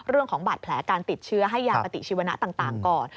เรื่องของบาดแผลการติดเชื้อให้ยาปฏิชีวนะต่างก่อน